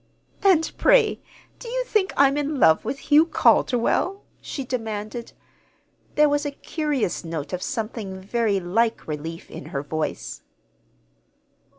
"And, pray, do you think I'm in love with Hugh Calderwell?" she demanded. There was a curious note of something very like relief in her voice.